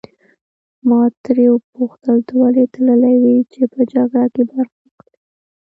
ما ترې وپوښتل ته ولې تللی وې چې په جګړه کې برخه واخلې.